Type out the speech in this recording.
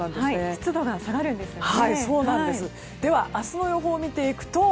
湿度が下がるんですよね。